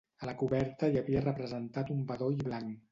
A la coberta hi havia representat un bedoll blanc.